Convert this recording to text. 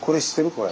これ。